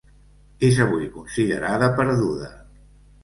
És avui considerada perduda.